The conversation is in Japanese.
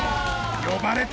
呼ばれた！